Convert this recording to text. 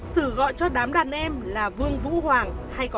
sử gọi cho đám đàn em tấn công quân sa lộ